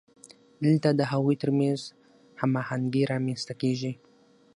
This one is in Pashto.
دلته د هغوی ترمنځ هماهنګي رامنځته کیږي.